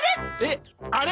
あれ！